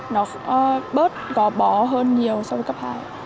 nó bớt gò bó hơn nhiều so với cấp hai